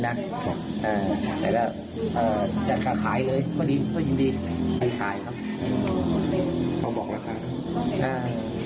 ขนาดตัวนี้คุณยังขายตัวละพันเลย